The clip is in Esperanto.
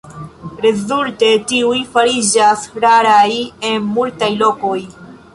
Rezulte tiuj fariĝas raraj en multaj lokoj.